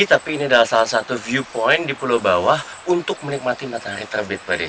tapi ini adalah salah satu viewpoint di pulau bawah untuk menikmati matahari terbit pada